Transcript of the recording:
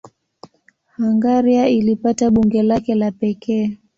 Hungaria ilipata bunge lake la pekee.